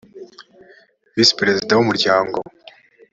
visi perezida w umuryango